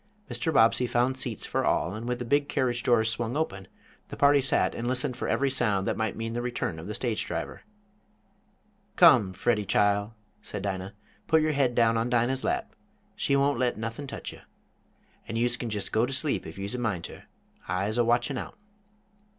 Mr. Bobbsey found seats for all, and with the big carriage doors swung open, the party sat and listened for every sound that might mean the return of the stage driver. "Come, Freddie chile," said Dinah, "put yer head down on Dinah's lap. She won't let nothin' tech you. An' youse kin jest go to sleep if youse a mind ter. I'se a watchin' out."